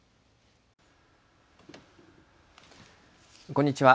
こんにちは。